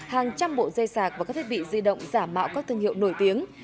hàng trăm bộ dây sạc và các thiết bị di động giả mạo các thương hiệu nổi tiếng